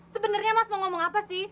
sebenarnya mas mau ngomong apa sih